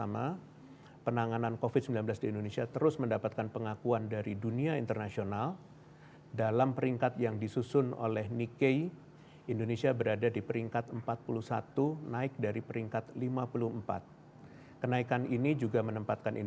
maka tes ulang ini dilakukan